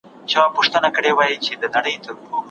غم پرېـښودی وه نـورو تـه